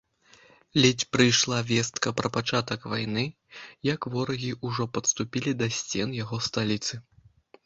Ледзь прыйшла вестка пра пачатак вайны, як ворагі ўжо падступілі да сцен яго сталіцы.